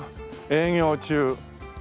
「営業中」。